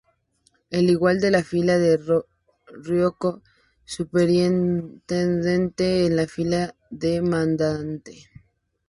El igual de la fila de Ryoko superintendente es la fila de comandante.